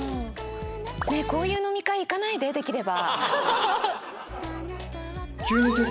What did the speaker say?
ねえこういう飲み会行かないでできれば。